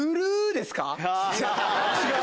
違う。